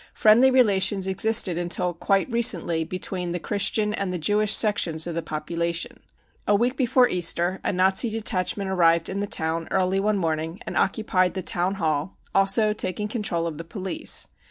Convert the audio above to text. Friendly relations existed until quite recently between the Christian and the Jewish sections of the population, A week before Easter a Nazi detachment arrived in the town early one morning and occupied the Town Hall, also taking control of the police.